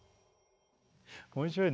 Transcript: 面白いね